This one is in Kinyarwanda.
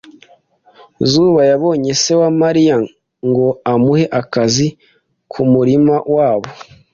Zuba yabonye se wa Mariya ngo amuhe akazi kumurima wabo.